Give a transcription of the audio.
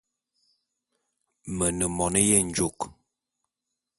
Me ne mone yenjôk.